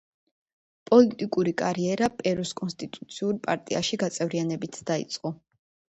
პოლიტიკური კარიერა, პერუს კონსტიტუციურ პარტიაში გაწევრიანებით დაიწყო.